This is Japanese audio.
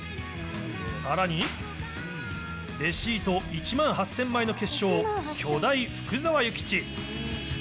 さらに、レシート１万８０００枚の結晶、巨大福沢諭吉。